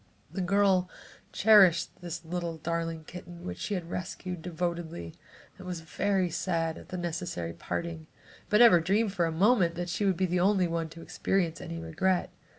The girl cherished this little darling kitten which she had rescued, devotedly, and was very sad at the necessary parting, but never dreamed for a moment but that she would be the only one to experience any regret.